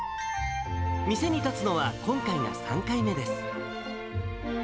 店に立つのは今回が３回目です。